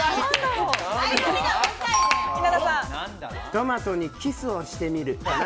トマトにキスをしてみるかな。